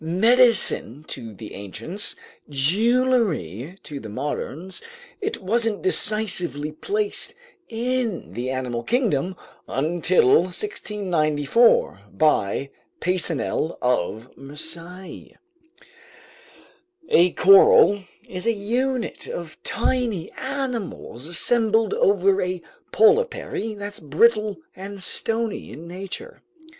Medicine to the ancients, jewelry to the moderns, it wasn't decisively placed in the animal kingdom until 1694, by Peysonnel of Marseilles. A coral is a unit of tiny animals assembled over a polypary that's brittle and stony in nature.